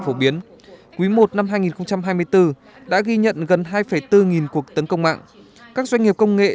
phổ biến quý i năm hai nghìn hai mươi bốn đã ghi nhận gần hai bốn nghìn cuộc tấn công mạng các doanh nghiệp công nghệ